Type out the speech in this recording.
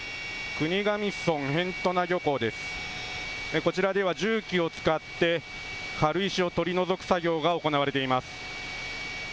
こちらでは重機を使って軽石を取り除く作業が行われています。